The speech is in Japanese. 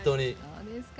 そうですか。